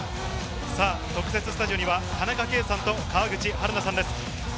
特設スタジオには田中圭さんと川口春奈さんです。